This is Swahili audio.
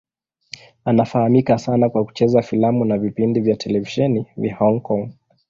Anafahamika sana kwa kucheza filamu na vipindi vya televisheni vya Hong Kong.